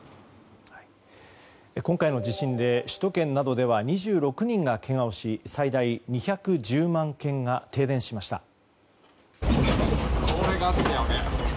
今回の地震で首都圏などでは２６人がけがをし最大２１０万軒が停電しました。